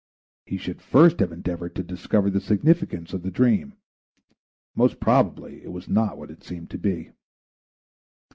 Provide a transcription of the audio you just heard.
He should first have endeavored to discover the significance of the dream; most probably it was not what it seemed to be.